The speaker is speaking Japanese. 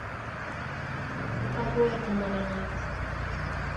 歌声止まらない